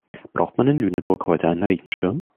Braucht man in Lüneburg heute einen Regenschirm?